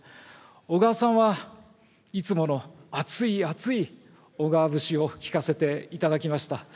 小川さんは、いつもの熱い熱い小川節をきかせていただきました。